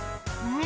うん！